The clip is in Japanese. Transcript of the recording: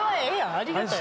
ありがたい